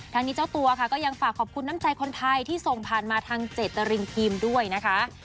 นี้เจ้าตัวค่ะก็ยังฝากขอบคุณน้ำใจคนไทยที่ส่งผ่านมาทางเจตรินทีมด้วยนะคะ